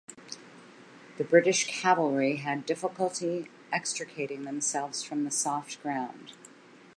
The British cavalry had difficulty extricating themselves from the soft ground.